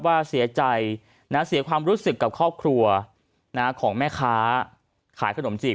ว่าเสียใจนะเสียความรู้สึกกับครอบครัวของแม่ค้าขายขนมจีบ